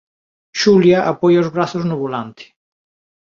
Xulia apoia os brazos no volante.